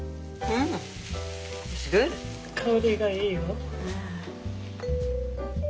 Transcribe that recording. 香りがいいよ。